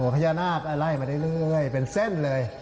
พญานาคไล่มาเรื่อยเป็นเส้นเลย